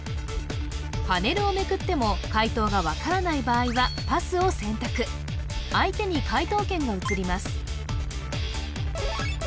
パネルをめくっても解答が分からない場合はパスを選択相手に解答権が移ります